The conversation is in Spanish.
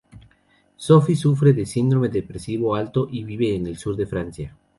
Sophie sufre de síndrome depresivo alto y vive en el sur de Francia.